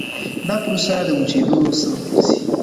دا پروسه د وچېدو سبب ګرځي.